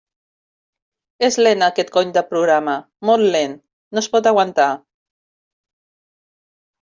És lent aquest cony de programa, molt lent, no es pot aguantar!